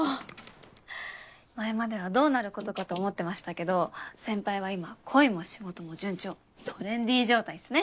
前まではどうなることかと思ってましたけど先輩は今恋も仕事も順調トレンディー状態っすね。